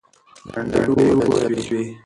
لنډۍ وویل سوې.